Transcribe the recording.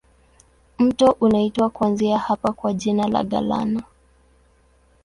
Mto unaitwa kuanzia hapa kwa jina la Galana.